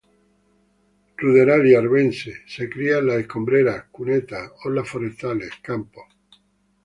Ruderal y arvense, se cría en las escombreras, cunetas, orlas forestales, campos.